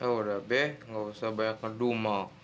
eh udah deh gak usah banyak ngedumel